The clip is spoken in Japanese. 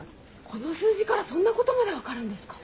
この数字からそんなことまで分かるんですか？